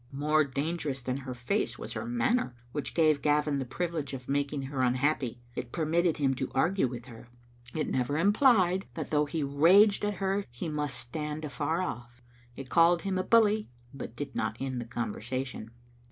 More danger ous than her face was her manner, which gave Gavin die privilege of making her unhappy; it permitted him to argue with her; it never implied that though he raged at her he must stand afar off; it called him a bully, but did not end the conversation.